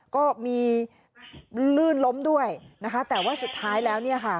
ก็มีลื่นล้มด้วยนะคะแต่ว่าสุดท้ายแล้วเนี่ยค่ะ